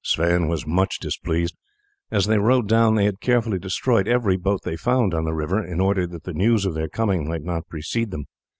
Sweyn was much displeased. As they rowed down they had carefully destroyed every boat they found on the river, in order that the news of their coming might not precede them.